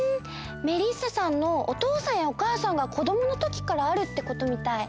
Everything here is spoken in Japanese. メリッサさんのおとうさんやおかあさんが子どものときからあるってことみたい。